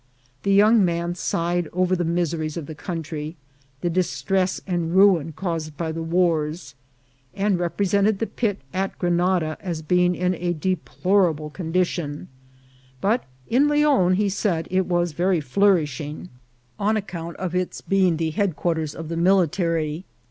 The young man sighed over the miseries of the country, the distress and ruin caused by the wars, and represented the pit at Grenada as being in a deplorable condition ; but in Leon he said it was very flourishing, on account of its 20 INCIDENTS OF TRAVEL. being the headquarters of the military.